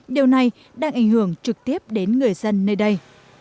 điều này đang ảnh hưởng trực tiếp đến người dân nơi đây